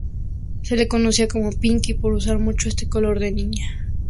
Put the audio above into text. Se le conocía como "Pinky" por usar mucho este color de niña.